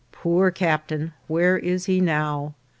Poor captain, where is he now